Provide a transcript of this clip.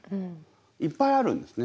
いっぱいあるんですね